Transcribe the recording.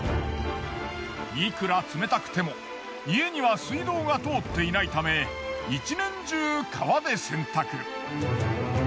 いくら冷たくても家には水道が通っていないため１年中川で洗濯。